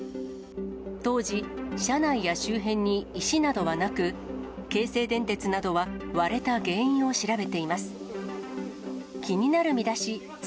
当時、車内や周辺に石などはなく、京成電鉄などは、割れた原因を調べています。